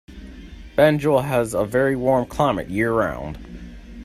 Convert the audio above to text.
Banjul has a very warm climate year round.